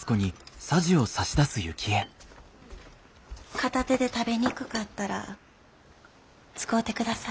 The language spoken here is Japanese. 片手で食べにくかったら使うてください。